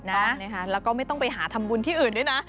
ถูกต้องนะคะแล้วก็ไม่ต้องไปหาทำบุญที่อื่นด้วยนะ